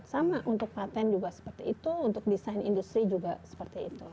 sama untuk patent juga seperti itu untuk desain industri juga seperti itu